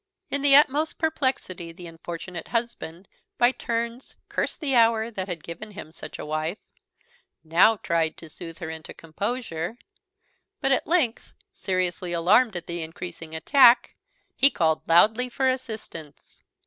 In the utmost perplexity the unfortunate husband by turns cursed the hour that had given him such a wife; now tried to soothe her into composure; but at length, seriously alarmed at the increasing attack, he called loudly for assistance.